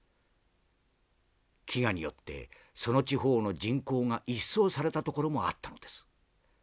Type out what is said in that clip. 飢餓によってその地方の人口が一掃されたところもあったのです。